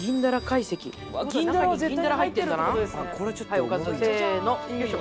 はいおかずせのよいしょ。